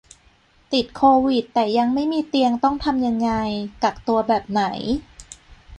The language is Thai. ติดโควิดแต่ยังไม่มีเตียงต้องทำยังไง กักตัวแบบไหน